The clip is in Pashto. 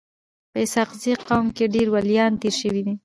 په اسحق زي قوم کي ډير وليان تیر سوي دي.